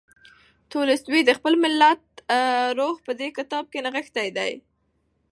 تولستوی د خپل ملت روح په دې کتاب کې نغښتی دی.